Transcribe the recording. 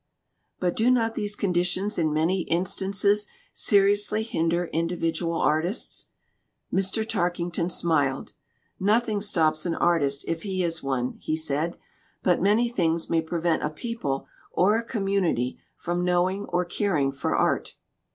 "But do not these conditions in many instances seriously hinder individual artists?" Mr. Tarkington smiled. "Nothing stops an artist if he is one," he said. "But many things 36 PROSPERITY AND ART may prevent a people or a community from know ing or caring for art.